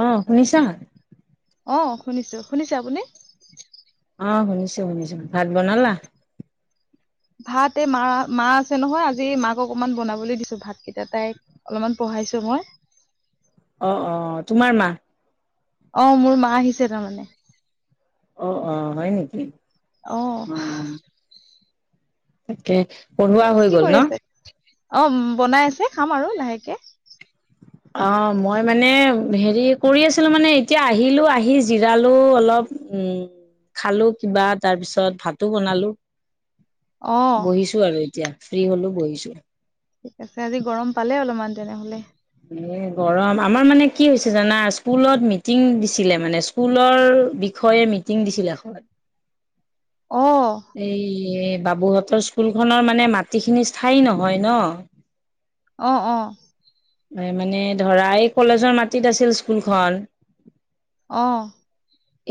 অ', শুনিছা? অ', শুনিছোঁ। শুনিছে আপুনি? অ', শুনিছোঁ, শুনিছোঁ। ভাত বনালা? ভাত এই মা-মা আছে নহয় আজি মাক অকমান বনাবলৈ দিছো ভাত কেইটা, তাইক অলমান পঢ়াইছো মই। অ', অ', তোমাৰ মা অ', মোৰ মা আহিছে তাৰমানে। অ', অ', হয় নেকি? অ', তাকে। পঢ়োৱা দিয়ক হৈ কি গ'ল কৰি নহ? আছে অ', বনাই আছে, খাম আৰু লাহেকে। অ', মই মানে হেৰি কৰি আছিলোঁ মানে এতিয়া আহিলোঁ, আহি জিৰালোঁ অলপ। উম, খালো কিবা। তাৰ পিছত ভাতো বনালোঁ। অ বহিছোঁ আৰু এতিয়া। ফ্ৰী হ'লো বহিছোঁ। ঠিক আছে, আজি গৰম পালে অলমান তেনেহ'লে। এ গৰম, আমাৰ মানে কি হৈছে জানা? স্কুলত মিটিং দিছিলে মানে কুলৰ বিখয়ে মিটিং দিছেলে এখন। অ এই বাবুহঁতৰ স্কু কুলখনৰ মানে মাটিখিনি স্থায়ী নহয় ন। অ', অ'। মানে ধৰা, এই কলেজৰ মাটিত আছিল স্কুলখন। অঁ।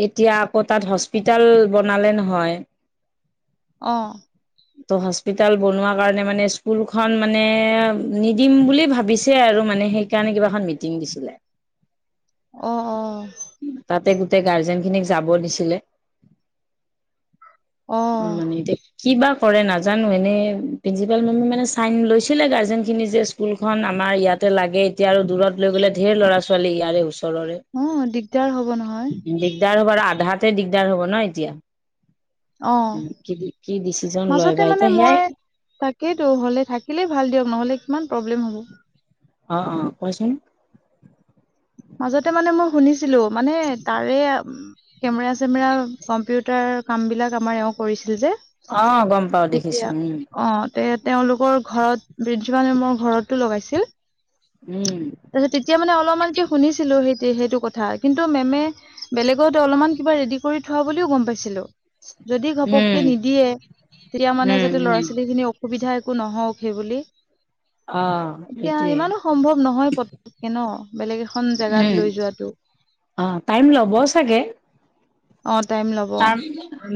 এতিয়া আকৌ তাত হস্পিটাল বনালে নহয়। অ'। [inaudible] ত' হস্পিতাল বনোৱা কাৰণে মানে স্কুল খন মানে নিদিম বুলি ভাবিছে আৰু মানে সেই কাৰণে কিবা এখন মিটিং দিছিলে। অ', অ'। তাতে গোটে গাৰ্জেন খিনিক যাব দিছিলে। অ উম মানে এতিয়া কি বা কৰে নাজানোঁ। এনে প্ৰিন্সিপাল মেমে মানে চাইন লৈছিলে গাৰ্জেন খিনি যে কুলখন আমাৰ ইয়াতে লাগে, এতিয়া আৰু দূৰত লৈ গ'লে ঢেৰ ল'ৰা-ছোৱালী ইয়াৰে ওচৰৰে অ', দিগদাৰ হ'ব নহয়। দিগদাৰ হ'ব, আৰু আধাতে দিগদাৰ হ'ব ন এতিয়া। অ কি, কি ডিচিজন লয় মাজতে বা মানে এতিয়া, সেয়াই মই তাকেইতো, হ'লে থাকিলেই ভাল দিয়ক, নহ'লে কিমান প্ৰব্লেম হ'ব। অ', অ', কোৱাচোন। মাজতে মানে মই শুনিছিলো, মানে তাৰে আ কেমেৰা-চেমেৰা, কম্পিউটাৰ কামবিলাক আমাৰ এওঁ কৰিছিল যে। অ গম পাও দেখিছো তেতিয়া, উম অ'। তে তেওঁলোকৰ ঘৰত [unintelligible] মেমৰ ঘৰতো লগাইছিল। উম। তাৰপিছত তেতিয়া মানে অলমানকে শুনিছিলো সেইটে সেইটো কথা, কিন্তু মেমে বেলেগত অলমান কিবা ৰেডি কৰি থোৱা বুলিও গম পাইছিলো। যদি উম ঘপককে নিদিয়ে, তেতিয়া মানে উম যাতে ল'ৰা- উম ছোৱালীখিনি অ' অসুবিধা একো নহওঁক, সেই বুলি। অ এতিয়া সেইটোৱে ইমানো সম্ভৱ নহয়, পতককে ন। বেলেগ এখন জেগাত উম লৈ যোৱাতো। অ টাইম ল'ব চাগে অ', টাইম ল তাৰ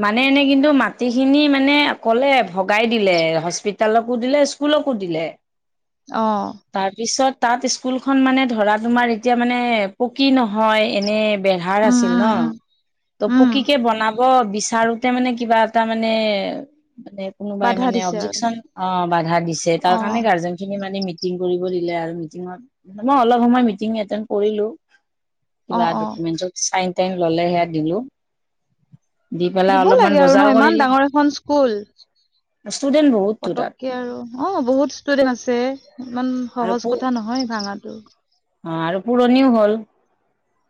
মানে এনে কিন্তু মাটিখিনি মানে ক'লে, ভগাই দিলে। হস্পি তেলকো দিলে, স্কুলকো দিলে। অ'। তাৰপিছত তাত স্কুলখন মানে ধৰা তোমাৰ, এতিয়া মানে পকী নহয়, এনে বেঢ়াৰ উম আছিল ন, উম উম ত' প উম, কি কে বনাব বিচাৰোতে মানে, কিবা এটা মানে, মানে কোনোবাই বাধা মানে দিছে আৰু অবজেকচন অ' বাধা দিছে। তাৰ অ, কাৰণে গাৰ্জেন খিনি মানে মি টিং কৰিব দিলে আৰু মিটিঙত, মানে অলপ সময় মিটিং এটেণ্ড কৰিলোঁ। অ, কিবা অ, ডকুমেন্টচত চাইন টাইন ললে সেয়া দিলো দি পেলাই দিব অলপমান লাগে আৰু ন বজাৰ ইমান কৰিলো ডাঙৰ এখন ষ্টুডেন্ট বহুত পটককে আৰু অ বহুত ষ্টুডেণ্ট আছে ইমান আৰু সহজ পু কথা নহয় ভাঙাটো অ আৰু পুৰণিও হ'ল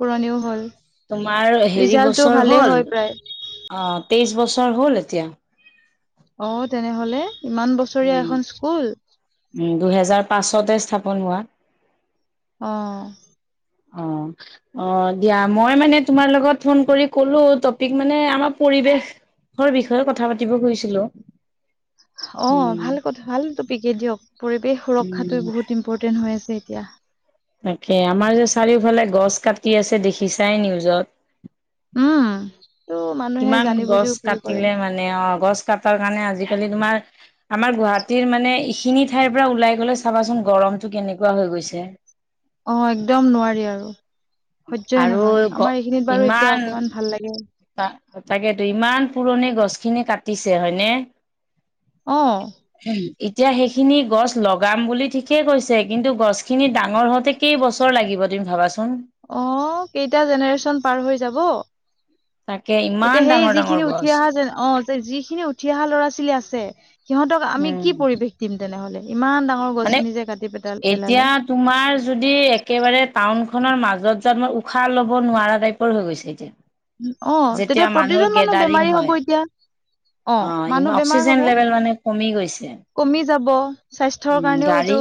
পুৰণি ও হ'ল তোমাৰ হেৰি ৰিজাল্টটো বছৰ ভালেই হ'ল হয় প্ৰায় অ তেইছ বছৰ হ'ল এতিয়া অ তেনেহলে ইমান বছৰীয়া উম এখন স্কুল উম দুহেজাৰ পাঁচতে স্থাপন হোৱা অ অ অ দিয়া মই মানে তোমাৰ লগত ফোন কৰি কলো টপিক মানে আমাৰ পৰিৱেশ বিষয়ে কথা পাতিব খুজিছিলো অ উম, ভাল কথা ভাল টপিক এ দিয়ক পৰিৱেশ সুৰক্ষাটো উম। বহুত ইম্পৰ্টেণ্ট হৈ আছে এতিয়া তাকে আমাৰ যে চাৰিওফালে গছ কাটি আছে দেখিছাই নিউজত উম ত' মানুহে কিমান জানি গছ বুজিও ভুল কৰে কাটিলে মানে আও গছ কাটাৰ কাৰণে আজিকালি তোমাৰ আমাৰ গুৱাহাটীৰ মানে এইখিনি ঠাইৰ পৰা ওলাই গলে চাবাচোন গৰমতটো কেনেকুৱা হৈ গৈছে অ একদম নোৱাৰি আৰু সহ্যই আৰু নহয় গ আমাৰ এইখিনিত বাৰু এতিয়া অকমান ভাল লাগে ত তাকেতো ইমান পুৰণি গছ খিনি কাটিছে হয়নে অ উ এতিয়া সেইখিনি গছ লগাম বুলি ঠিকেই কৈছে কিন্তু গছ খিনি ডাঙৰ হওতে কেই বছৰ লাগিব তুমি ভাবাচোন অ কেইটা জেনেৰেশ্যন পাৰ হৈ যাব তাকে ইমান এতিয়া সেই ডাঙৰ ডাঙৰ যিখিনি উঠি গছ অহা জেনে অ যে যিখিনি উঠি অহা ল'ৰা ছোৱালী আছে সিহঁতক আমি কি উম পৰিৱেশ দিম তেনেহলে ইমান ডাঙৰ মানে গছখিনি যে কাটি পেলাল এতিয়া পেলালে তোমাৰ যদি একেবাৰে টাউনখনৰ মাজত যোৱা উশাহ ল'ব নোৱাৰা টাইপৰ হৈ গৈছে এতিয়া অ', যেতিয়া তেতিয়া মানুহ প্ৰতিজন বেমাৰী গেডাৰিং হ'ব হয় এতিয়া অ', অঁ মানুহ ইমান বেমাৰ অক্সিজেন হ'ব লেভেল মানে কমি গৈছে কমি যাব স্বাস্থ্যৰ উম কাৰণেও এইটো গাড়ী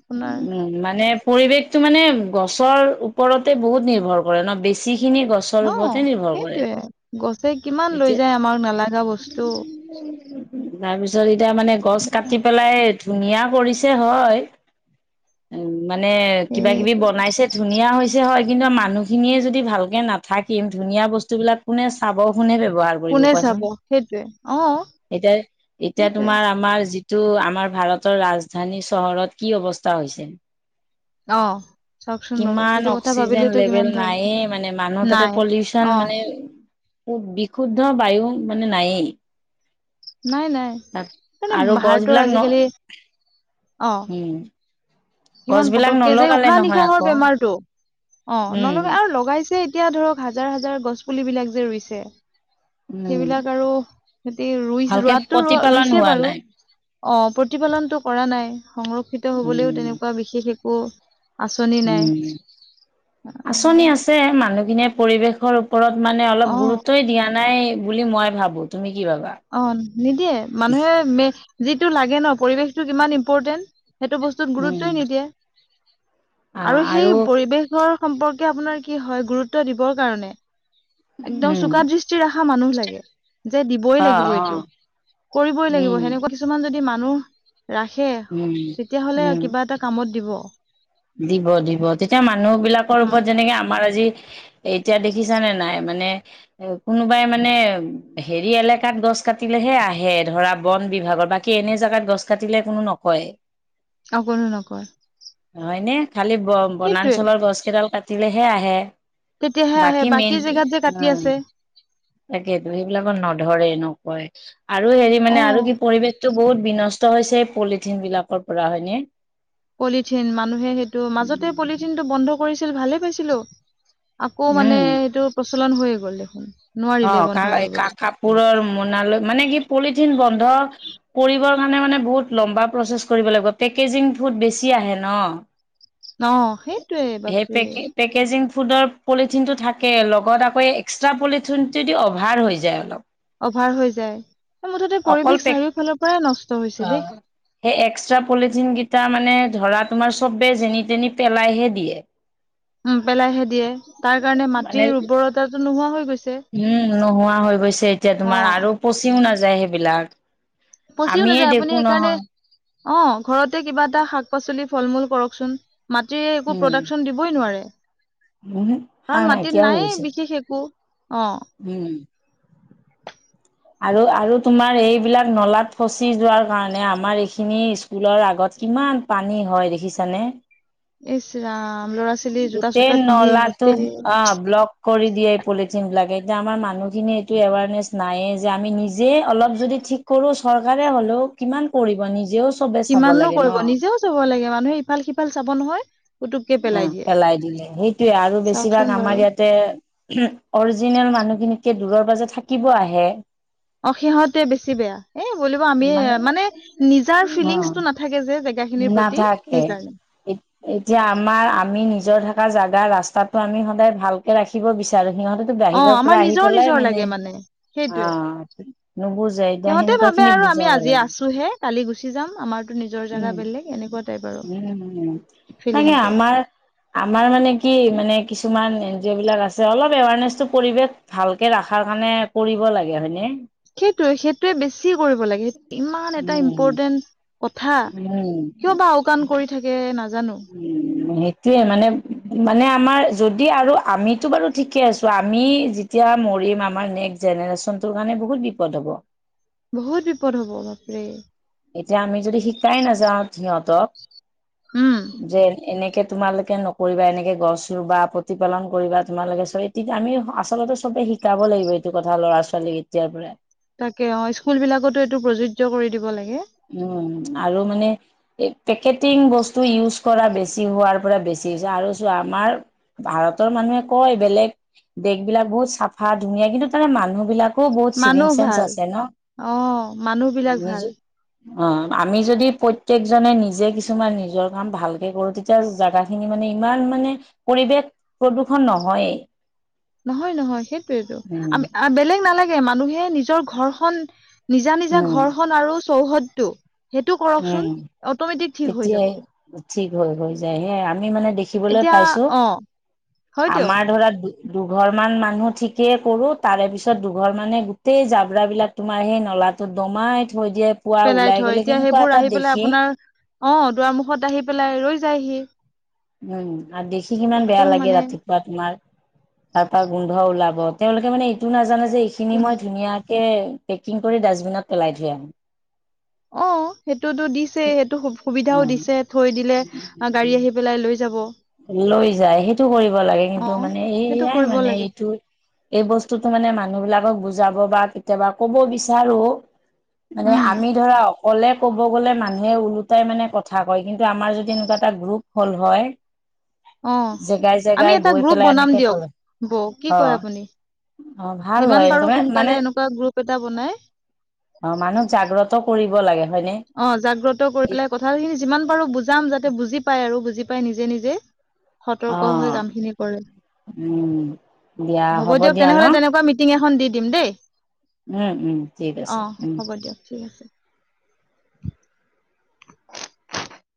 আপোনাৰ উম মানে পৰিৱেশতটো মানে গছৰ ওপৰতে বহুত নিৰ্ভৰ কৰে ন বেছি খিনি গছ অ সেইটোৱেই গছে কিমান লৈ এতিয়া যায় আমাক নালাগা বস্তু তাৰপিছত এতিয়া মানে গছ কাটি পেলাই ধুনীয়া কৰিছে হয় উ মানে কিবা কিবি সেইটো বনাইছে ধুনীয়া হৈছে হয় কিন্তু মানুহখিনিয়ে যদি ভালকৈ নাথাকিম ধুনীয়া বস্তুবিলাক কোনে চাব কোনে ব্যৱহাৰ কৰে কৰিব কোনে কোৱাচোন চাব সেইটোৱে অ', এতিয়া এতিয়া সেইটোৱে তোমাৰ আমাৰ যি তাটো আমাৰ ভাৰতৰ ৰাজধানী চহৰত কি অৱস্থা হৈছে অ চাওকচোন বাৰু ইমান সেইটো কথা অক্সিজেন ভাবিলেতো লেভেল কিমান ভয় লাগে নাইয়ে মানে মানুহ তাতে নাই পলিউচন অ মানে বিশুদ্ধ বায়ু মানে নায়েই নাই নাই তাত মানে আৰু ভাৰতৰ গছবিলাক ন আজিকালি অ উম কিমান গছবিলাক পটককে যে নলগালে উশাহ নহয় নিশাহৰ আকৌ। বেমাৰটো অ নলগা উম, আৰু লগাইছে এতিয়া ধৰক হাজাৰ হাজাৰ গছ পুলিবিলাক যে ৰুইছে উম, সেইবিলাক আৰু সিহতি ৰুই ভালকে ৰোৱাটো ৰ প্ৰতিপালন ৰুইছে হোৱা বাৰু নাই। আহ প্ৰতিপালনতটো কৰা নাই সংৰক্ষিত হবলৈও উম, তেনেকুৱা বিশেষ একো আচনি নাই। উম। আঁচনি আছে মানুহখিনিয়ে পৰিৱেশৰ ওপৰত অ অলপ গুৰুত্বই নাই বুলি মই ভাবো তুমি ভাবা? অ' নিদিয়ে মানুহে যিটো ন পৰিৱেশটো কিমান ইম্পৰ্টেণ্ট। সেইটো বস্তুত উম, গুৰুত্বই নিদিয়ে আৰু সেই পৰিৱেশ সম্পৰ্কে আপোনাৰ কি হয় গুৰুত্ব দিবৰ কাৰণে একদম উম, চোকা দিস্তি ৰখা মানুহ লাগে। যে অ', দিবই লাগিব এইটো অ'। কৰিবই লাগিব উম, সেনেকুৱা কিছুমান যদি মানুহ ৰাখে উম, তেতিয়াাহলে উম। কিবা এটা কামত দিব। দিব, দিব তেতিয়া মানুহ বিলাকৰ উম ওপৰত যেনেকে আমাৰ আজি এতিয়া দেখিছানে নাই মানে কোনোবাই মানে হেৰি এলেকাত গছ কাটিলেহে আহে ধৰা বন বিভাগৰ বা কি এনে জাগাত গছ কাটিলে কোনো নকয়। অ' কোনো নকৰ। হয়নে খালি ব সেইটোয়ে বনাঞ্চলৰ গছ কেইডাল কাটিলেহে আহে। তেতিয়াহে আহে বাকী মেইন জেগাত যে কাটি উম, আছে তাকেতো সেইবিলাকত নধৰে নকয় আৰু হেৰি অ মানে আৰু কি পৰিৱেশ পৰিবেশ তটো বহুত বিনষ্ট হৈছে পলিথিন বিলাকৰ পৰা হয়নে। পলিথিন মানুহে সেইটো মাজতে পলিথিনটো বন্ধ কৰিছিল ভালে পাইছিলো। আকৌ মানে উম সেইটো প্ৰচলন হৈয়ে গ'ল দেখোন নোৱাৰিলে অ' বন্ধ কা কৰিবলৈ কাপোৰৰ মনালৈ মানে কি পলিথিন বন্ধ কৰিবৰ কাৰণে মানে বহুত লম্বা প্ৰচেছ কৰিব লাগিব পেকেজিং ফুড বেছি আহে ন। অ সেইটোয়ে সেই বাপৰে পেকে পেকেজিং ফুডৰ পলিথিন টো থাকে লগত আকৌ এক্সট্ৰা পলিথিন পলিথিন যদি অভাৰ হৈ যায় অলপ অভাৰ হৈ যায় মুঠতে অকল পৰিৱেশ পেক চাৰিওফালৰ পৰাই নষ্ট অ' হৈছে এক দেই। বোজা জাই। সেই এক্সট্ৰা পলিথিন কেইটা মানে ধৰা তোমাৰ চবে যেনি তেনি পেলাইহে দিয়ে। [unintelligible] উম, পেলাইহে দিয়ে তাৰ কাৰণে মানে মাটিৰ উৰ্বৰতাটো নোহোৱা হৈ গৈছে। উম, নোহোৱা হৈ গৈছে এতিয়া তোমাৰ অ', আৰু পচিও নাযায় সেইবিলাক পচিও আমিয়ে নাযায় আপুনি দেখো সেইকাৰণে নহয়। অ' ঘৰতে কিবা এটা শাক পাচলি ফল মূল কৰচোন মাটি একো উম প্ৰডাকচন দিব ই নোৱাৰে উমহো সাৰ কাৰণ নাইকিয়া হৈ মাটিত গৈছে বিশেষ একো অ' উম, আৰু, আৰু তোমাৰ এইবিলাক নলাত ফচি যোৱাৰ কাৰণে আমাৰ এইখিনি স্কুলৰ আগত কিমান পানী হয় দেখিছানে ইচৰাম ল'ৰা ছোৱালী জোতা চোতা গোটেই পিন্ধি নলাটো গোটেই অ' ব্লক কৰি দিয়ে পলিথিন বিলাকে এতিয়া আমাৰ মানুহখিনিয়ে এইটো এৱাৰনেছ নাইয়ে যে আমি নিজে অলপ যদি ঠিক কৰো চৰকাৰে হ'লেও কিমান কৰিব নিজেও চবে চাব কিমাননো লাগে ন কৰিব নিজেও চাব লাগে মানুহে ইফাল সিফাল চাব নহয়। পুতুককে ওম দিয়ে পেলাই দিলে সেইটোয়ে আৰু চাওকচোন বেছিভাগ বাৰু। আমাৰ ইয়াত দে অৰিজিনেল মানুহ খিনি দূৰৰ পাজে থাকিব আহে উম অ' সিহঁতে বেছি বেয়া এ বুলিব আমি মানে নিজাৰ অ ফিলিংছটো নাথাকে যে জেগাখিনিৰ প্ৰতি নাথাকে সেইকাৰণে এতিয়া আমাৰ আমি নিজৰ থাকা জাগা ৰাস্তাতো আমি সদায় ভালকে ৰাখিব বিচাৰো সিহঁতে অ বাহিৰৰ আমাৰ পৰা আহি নিজৰ পেলাই নিজৰ লাগে মানে সেইটোয়ে অ, নুবুজে [unintelligible] সিহঁতে হেনুকা ভাবে খিনিক আৰু আমি বুজাব আজি লাগে। আছোহে কালি গুচি যাম আমাৰ উম, [unintelligible] [unintelligible] ফিলিংটো আমাৰ আমাৰ মানে কি মানে কিছুমান এন জি অ' বিলাক আছে অলপ এৱাৰনেচতো পৰিবেক ভালকে ৰাখাৰ কাণে কৰিব লাগে হয়নে? সেইটোৱে সেইটোৱে বেছি কৰিব লাগে ইত'-ইমান এটা উম, ইম্পৰ্টেন কথা, উম, কিয় বা আওকাণ কৰি থাকে নাজানো উম', মেটোয়ে মানে, মানে আমাৰ যদি আৰু আমিতো বাৰু ঠিকে আছো আমি যি তিয়া মৰিম আমাৰ নেক জেনেৰেচনটোৰ কাণে বহুত বিপদ হ'ব। বহুত বিপদ হ'ব বাপৰে। এতিয়া আমি যদি হিকাই নাযাওঁ সিহঁতক উম', যে এনেকে তোমালোকে নকৰিবা, এনেকে গছ ৰুবা, প্ৰতিপালন কৰিবা, তোমালোকে [unintelligible] [unintelligible] আমি আচলতে চবে হিকাব লাগিব এইটো কথা ল'ৰা ছোৱালীক এতিয়াৰ পৰাই। তাকে অ, ইস্কুল বিলাকতো এটো প্ৰযোজ্য কৰি দিব লাগে। উম, আৰু মানে পে-পেকেটিং বস্তু ইউজ কৰা বেছি হোৱাৰ পৰা বেছি হৈছে আৰু চোৱা আমাৰ- ভাৰতৰ মানুহে কয় বেলেগ দেক বিলাক বহুত চাফা ধুনীয়া কিন্তু তাৰে মানুহ বিলাক [unintelligible] বহুত চিভিঙ মানুহ চেন্স ভাল আছে ন। অ মানুহ বিলাক ভাল নিজে অ, আমি যদি প্ৰত্যেকজনে নিজে কিছুমান নিজৰ কাম ভালকে কৰো তে [unintelligible] জাগা খিনি মানে ইমান মানে পৰিবেক প্ৰদূষণ নহয়ে। নহয় নহয় সেইটোয়েটো উম, আমি আ, বেলেগ নালাগে মানুহে নিজৰ ঘৰখন নিজা নিজা উম, ঘৰহন আৰু চৌহদটো হেটো উম, কৰকচোন, অটমেটিক ঠিক হৈ তেতিয়াই যাব। ঠিক হৈ হৈ যায় হেই আমি মানে দে খিবলে এতিয়া পাইছো, অ হয় দিয়ক আমাৰ ধৰা দুঘৰ মান মানুহ ঠিকেই কৰো, তাৰে পিছত দুঘৰ মানে গোটেই জাব্ৰা বিলাক তোমাৰ হেই নলাতোত দমাই থৈ দিয়ে পুৱা পেলাই ওলাই থয়, গ'লে এতিয়া কেনেকুৱা সেইবোৰ এটা আহি পেলাই দেখি আপোনাৰ অ, দুৱাৰমুখত আহি পেলাই ৰৈ যায়হি। উম', আৰ দেখি কিমান বেয়া একদম লাগে মানে ৰাতি পুৱা তোমাৰ, তাৰ পা গোন্ধ ওলাব তেওঁলোকে মানে এইটো নাজানে যে এইখিনি কোন মই ধুনীয়া কে পেকিং কৰি ডাজবিনত পেলাই থৈ আহো। অ, হেটোতো দিছ ছে হেটো সুব-সুবিধাও দিছে থৈ দিলে গাড়ী অ', আহি পেলাই লৈ যাব। লৈ যায় হেইটো কৰিব লাগে কিন্তু মানে সেইটো এয়াই কৰিব মানে লাগে এইতো এই বস্তুটো মানে মানুহ বিলাকক বুজাব বা কেতিয়াবা ক'ব বিচাৰো মানে উম আমি ধৰা অ ক'লে ক'ব গ'লে মানুহে ওলোটাই মানে কথা কয়, কিন্তু আমাৰ যদি এনুকুৱা এটা গ্ৰুপ হ'ল হয় অ, জেগাই আমি জেগাই এটা গৈ গ্ৰুপ পেলাই বনাম এনেকে দিয়ক ক'লে বৌ অ কয় আপুনি? অ ভাল যিমান হয় পাৰো এনেকুৱা মানে মানে সোনকালে এনুকুৱা গ্ৰুপ এটা বনাই অ, মানুহ জাগ্ৰত কৰিব লাগে হয়নে? অ, জাগ্ৰত কৰি পেলাই কথাহিনি যিমান পাৰো বুজাম যাতে বুজি পাই আৰু বুজি পাই নিজে নিজে [inaudible] সতৰ্ক হৈ কামখিনি কৰে। উম দিয়া হ'ব দিয়ক, দিয়া ন তেনেহ'লে তেনেকুৱা মিটিং এখন দি দিম দেই। উম উম ঠিক আছে অ' উম হ'ব দিয়ক ঠিক আছে। [unintelligible]